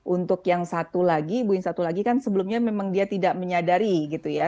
untuk yang satu lagi ibu yang satu lagi kan sebelumnya memang dia tidak menyadari gitu ya